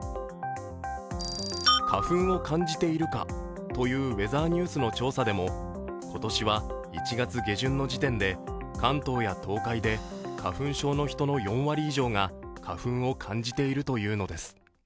花粉を感じているか？というウェザーニュースの調査でも今年は１月下旬の時点で関東や東海で花粉症の人の４割以上が花粉を感じているというのです。